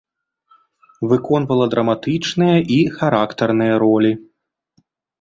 Выконвала драматычныя і характарныя ролі.